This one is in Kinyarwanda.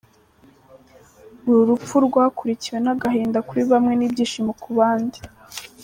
Uru rupfu rwakurikiwe n’agahinda kuri bamwe n’ibyishimo ku bandi.